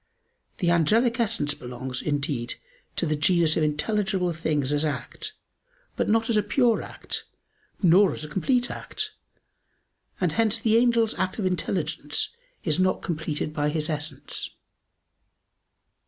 The angelic essence belongs, indeed, to the genus of intelligible things as act, but not as a pure act, nor as a complete act, and hence the angel's act of intelligence is not completed by his essence.